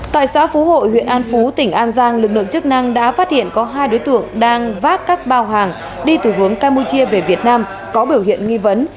tại xã phú hội huyện an phú tỉnh an giang lực lượng chức năng đã phát hiện có hai đối tượng đang vác các bao hàng đi từ hướng campuchia về việt nam có biểu hiện nghi vấn